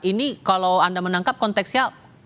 ini kalau anda menangkap konteksnya